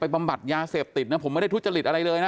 ไปประบัติยาเสพติดผมไม่ได้ทุษฎฤษอะไรเลยนะ